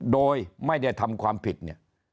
โดยไม่ได้ทำความผิดเนี่ย